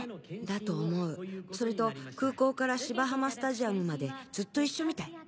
だと思うそれと空港から芝浜スタジアムまでずっと一緒みたい。